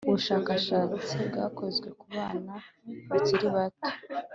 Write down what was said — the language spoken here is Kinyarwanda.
Ubushakashatsi bwakozwe ku bana bakiri bato